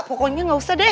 pokoknya nggak usah deh